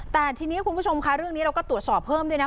แต่ทีนี้คุณผู้ชมค่ะเรื่องนี้เราก็ตรวจสอบเพิ่มด้วยนะ